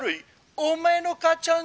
お前の母ちゃん情弱！